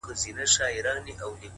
اوس به كومه تورپېكۍ پر بولدك ورسي!